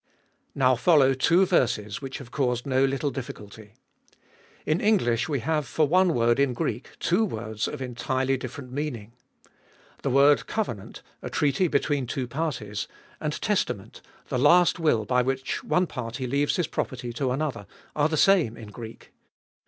Now follow two verses which have caused no little difficulty. In English we have for one word in Greek two words of entirely different meaning. The word "covenant," a treaty between two parties, and " testament," the last will by which one party leaves his property to another, are the same in Greek.